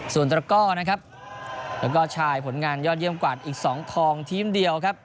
ส่วนตระก้อนะครับแล้วก็ชายผลงานยอดเยี่ยมกว่าอีก๒ทองทีมเดียวครับ